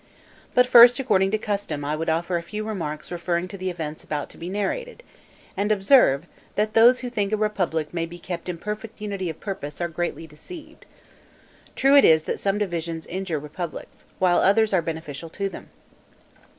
But first, according to custom, I would offer a few remarks referring to the events about to be narrated, and observe, that those who think a republic may be kept in perfect unity of purpose are greatly deceived. True it is, that some divisions injure republics, while others are beneficial to them.